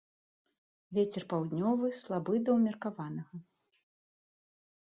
Вецер паўднёвы слабы да ўмеркаванага.